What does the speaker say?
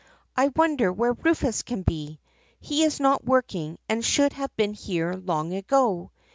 I wonder where Rufus can be. He is not working and should have been here long ago.